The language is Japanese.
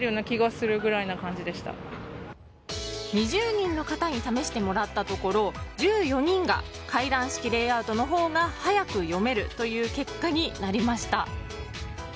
２０人の方に試してもらったところ１４人が階段式レイアウトのほうが速く読めるという結果になりました。